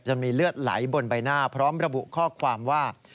มีเลือดไหลบนใบหน้าพร้อมระบุข้อความว่า